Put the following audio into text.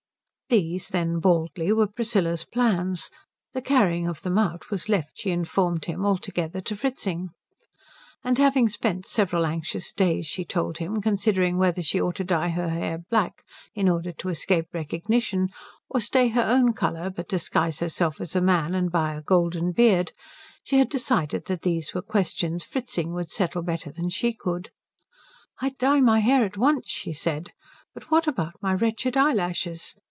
These, then, baldly, were Priscilla's plans. The carrying of them out was left, she informed him, altogether to Fritzing. After having spent several anxious days, she told him, considering whether she ought to dye her hair black in order to escape recognition, or stay her own colour but disguise herself as a man and buy a golden beard, she had decided that these were questions Fritzing would settle better than she could. "I'd dye my hair at once," she said, "but what about my wretched eyelashes?